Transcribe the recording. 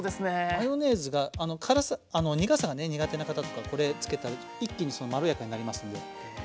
マヨネーズがあの苦さがね苦手な方とかこれつけたら一気にそのまろやかになりますんで。